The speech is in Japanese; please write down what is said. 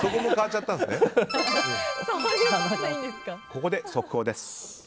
ここで速報です。